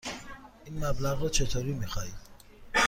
این مبلغ را چطوری می خواهید؟